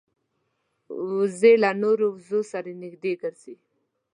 وزې له نورو وزو سره نږدې ګرځي